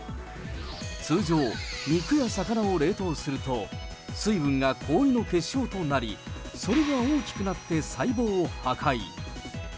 通常、肉や魚を冷凍すると、水分が氷の結晶となり、それが大きくなって細胞を破壊。